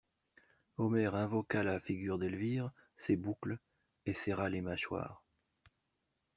Omer invoqua la figure d'Elvire, ses boucles, et serra les mâchoires.